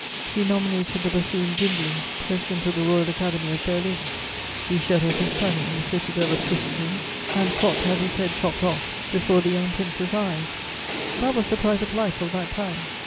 He nominated the buffoon Gundling President of the Royal Academy of Berlin; he shut up his son in the Citadel of Custrin, and Quatt had his head chopped off before the young Prince's eyes: that was the private life of that time.